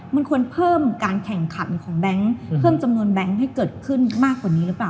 มันควรเพิ่มการแข่งขันของแบงค์เพิ่มจำนวนแบงค์ให้เกิดขึ้นมากกว่านี้หรือเปล่า